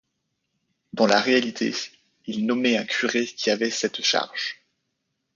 Dans la réalité, ils nommaient un curé qui avait cette charge.